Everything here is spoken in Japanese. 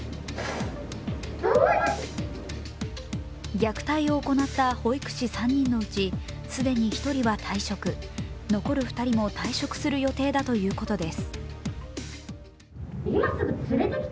虐待を行った保育士３人のうち、既に１人は退職、残る２人も退職する予定だということです。